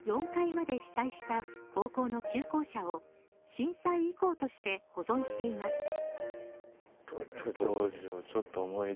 ４階まで被災した高校の旧校舎を震災遺構として保存しています。